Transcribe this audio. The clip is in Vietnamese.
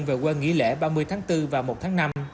về quân nghỉ lễ ba mươi tháng bốn và một tháng năm